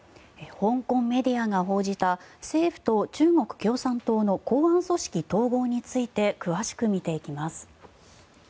香港メディアが報じた政府と中国共産党の公安組織統合について詳しく見ていきます。